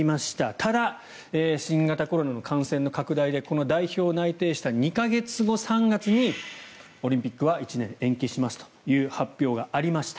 ただ、新型コロナの感染の拡大で代表内定した２か月後の３月にオリンピックは１年延期しますという発表がありました。